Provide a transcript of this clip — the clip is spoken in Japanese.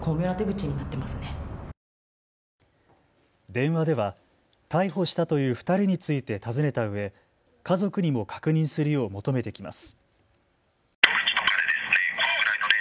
電話では逮捕したという２人について尋ねたうえ家族にも確認するよう求めてきます。